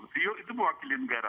rio itu mewakili negara